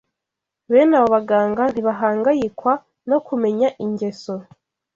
Bene abo baganga ntibahangayikwa no kumenya ingeso